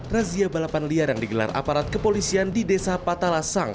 razia balapan liar yang digelar aparat kepolisian di desa patalasang